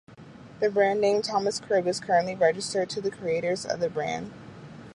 The brand name "Thomas Cribb" is currently registered to the creators of the brand.